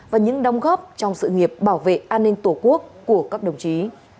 và những đồng góp trong sự nghiệp bảo vệ an ninh tổ quốc của các đồng chí